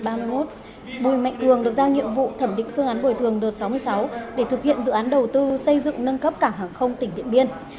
bùi mạnh cường được giao nhiệm vụ thẩm định phương án bồi thường đợt sáu mươi sáu để thực hiện dự án đầu tư xây dựng nâng cấp cảng hàng không tỉnh điện biên